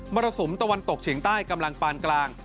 รสุมตะวันตกเฉียงใต้กำลังปานกลาง